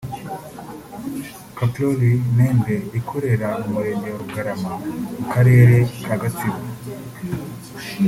Coproriz Ntende ikorera mu Murenge wa Rugarama mu Karere ka Gatsibo